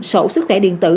sổ sức khỏe điện tử